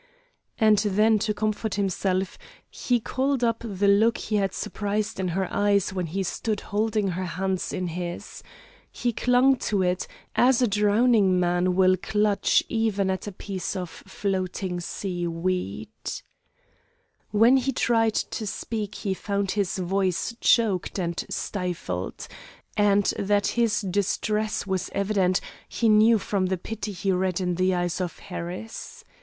And then to comfort himself, he called up the look he had surprised in her eyes when he stood holding her hands in his. He clung to it, as a drowning man will clutch even at a piece of floating seaweed. When he tried to speak he found his voice choked and stifled, and that his distress was evident, he knew from the pity he read in the eyes of Harris.